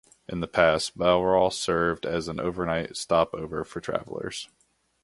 In the past, Bowral served as an overnight stop-over for travellers.